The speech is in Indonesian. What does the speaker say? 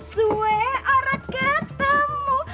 sue orat ketemu